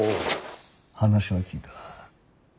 話は聞いた。